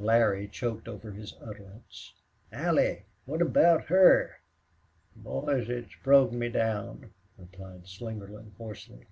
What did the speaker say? Larry choked over his utterance. "Al lie! What aboot her?" "Boys, it's broke me down!" replied Slingerland, hoarsely.